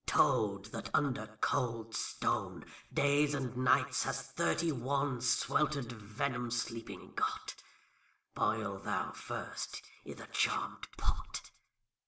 — Toad, that under cold stone Days and nights has thirty one Swelter'd venom sleeping got, Boil thou first i' th' charmed pot!